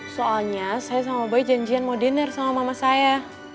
soalnya saya sama bayi janjian mau dinner sama mama saya